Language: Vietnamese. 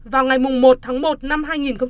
vào ngày một tháng một năm hai nghìn một mươi hai